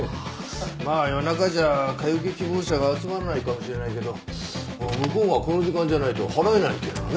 まあ夜中じゃ買い受け希望者が集まらないかもしれないけど向こうがこの時間じゃないと払えないっていうならねえ。